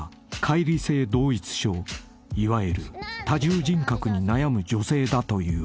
［いわゆる多重人格に悩む女性だという］